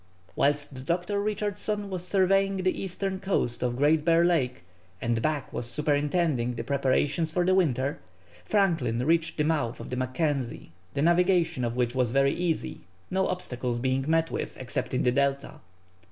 Whilst Dr. Richardson was surveying the eastern coast of Great Bear Lake, and Back was superintending the preparations for the winter, Franklin reached the mouth of the Mackenzie, the navigation of which was very easy, no obstacles being met with, except in the Delta.